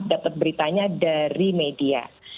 dapat beritanya dari media